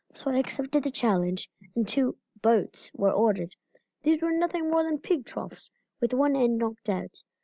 So I accepted the challenge, and two 'boats' were ordered. These were nothing more than pig troughs, with one end knocked out.